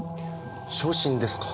昇進ですか。